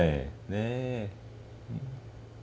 ねえ。